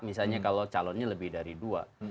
misalnya kalau calonnya lebih dari dua